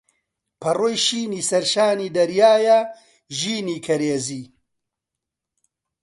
پەڕۆی شینی سەرشانی دەریایە ژینی کەرێزی